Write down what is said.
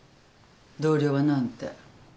同僚は何て？